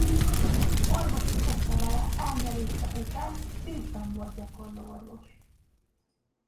Orvosi oklevele elnyerése után Bécsben volt gyakorló orvos.